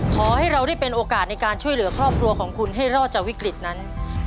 ขอให้เราได้เป็นโอกาสในการช่วยเหลือครอบครัวของคุณให้รอดจากวิกฤตนั้น